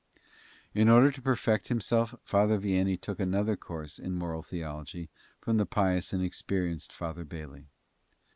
In order to perfect himself Father Vianney took another course in moral theology from the pious and experienced Father Bailey.